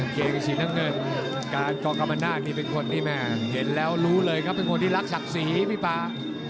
เกงสีน้ำเงินการกองกรรมนาศนี่เป็นคนที่แม่เห็นแล้วรู้เลยครับเป็นคนที่รักศักดิ์ศรีพี่ป๊า